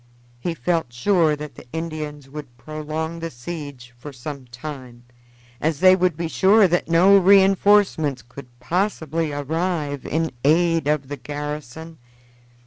He felt sure that the Indians would prolong the siege for some time, as they would be sure that no re enforcements could possibly arrive in aid of the garrison.